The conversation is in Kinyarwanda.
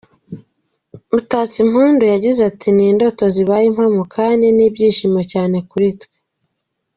Mutatsimpundu yagize ati “ Ni indoto zibaye impamo kandi ni ibyishimo cyane kuri twe.